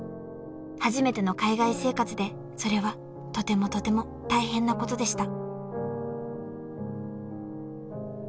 ［初めての海外生活でそれはとてもとても大変なことでした］